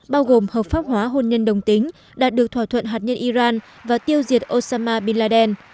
bao gồm hợp pháp hóa hôn nhân đồng tính đạt được thỏa thuận hạt nhân iran và tiêu diệt osama biladel